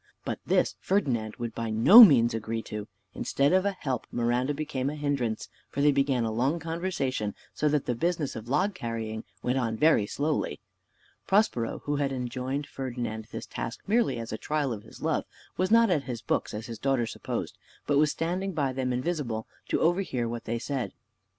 But this Ferdinand would by no means agree to. Instead of a help Miranda became a hindrance, for they began a long conversation, so that the business of log carrying went on very slowly. Prospero, who had enjoined Ferdinand this task merely as a trial of his love, was not at his books, as his daughter supposed, but was standing by them invisible, to overhear what they said.